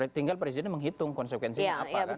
tinggal presiden menghitung konsekuensinya apa kan